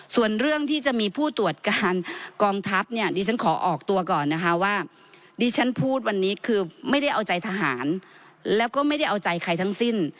ส่วนเรื่องที่จะมีผู้ตรวจการกองทัพเนี่ยดิฉันขอออกตัวก่อนนะคะว่าดิฉันพูดวันนี้คือไม่ได้เอาใจทหารแล้วก็ไม่ได้เอาใจใครทั้งสิ้น